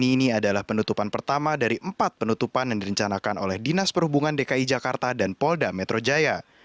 ini adalah penutupan pertama dari empat penutupan yang direncanakan oleh dinas perhubungan dki jakarta dan polda metro jaya